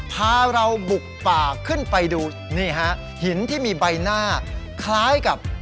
พาเราบุกป่าขึ้นไปดูนี่ฮะหินที่มีใบหน้าคล้ายกับ